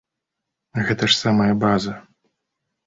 Гэта ж самая база.